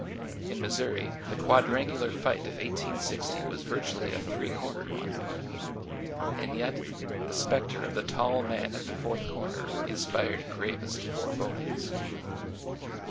In Missouri, the quadrangular fight of i860 was virtu ally a three cornered one. And yet the specter of the tall man at the fourth corner inspired gravest forebodings.